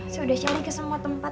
saya sudah cari ke semua tempat